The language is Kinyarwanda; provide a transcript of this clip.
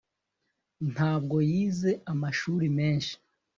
ntabwo yize amashuri menshi